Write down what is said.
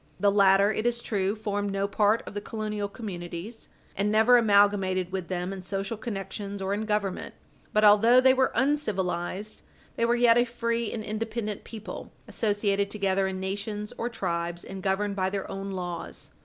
The latter, it is true, formed no part of the colonial communities, and never amalgamated with them in social connections or in government. But although they were uncivilized, they were yet a free and independent people, associated together in nations or tribes and governed by their own laws.